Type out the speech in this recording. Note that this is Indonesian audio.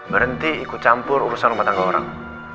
berhenti ikut campur urusan rumah tangga orang